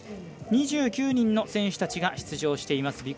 ２９人の選手たちが出場しています